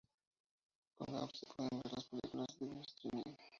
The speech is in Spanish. Con la app se pueden ver las películas vía Streaming.